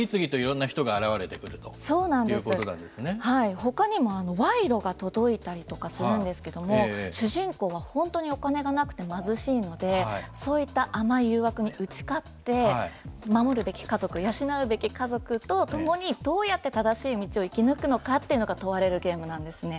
他にも、賄賂が届いたりとかするんですけど主人公は本当にお金がなくて貧しいのでそういった甘い誘惑に打ち勝って守るべき家族養うべき家族と共にどうやって正しい道を生き抜くのかというのを問われるゲームなんですね。